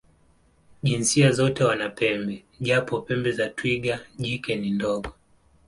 Jinsia zote wana pembe, japo pembe za twiga jike ni ndogo.